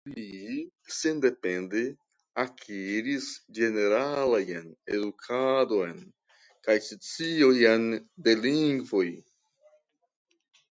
Li sendepende akiris ĝeneralan edukadon kaj sciojn de lingvoj.